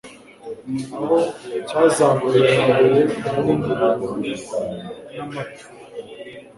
aho cyazamuye amabuye manini n'amato